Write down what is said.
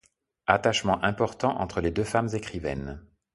Attachement important entre les deux femmes-écrivaines.